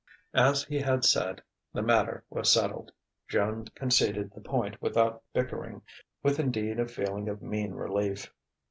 As he had said, the matter was settled. Joan conceded the point without bickering, with indeed a feeling of mean relief.